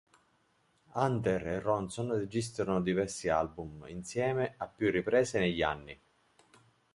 Hunter e Ronson registrarono diversi album insieme a più riprese negli anni.